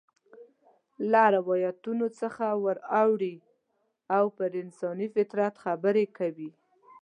له روایتونو څخه ور اوړي او پر انساني فطرت خبرې کوي.